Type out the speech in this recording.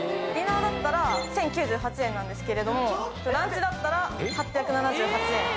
ディナーだったら１，０９８円なんですけれどもランチだったら８７８円。